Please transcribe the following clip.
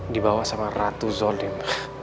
dibawa sama ratu zodin